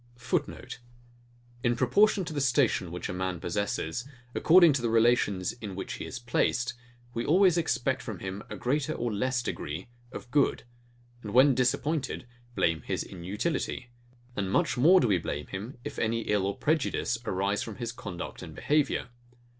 [Footnote: In proportion to the station which a man possesses, according to the relations in which he is placed; we always expect from him a greater or less degree of good, and when disappointed, blame his inutility; and much more do we blame him, if any ill or prejudice arise from his conduct and behaviour.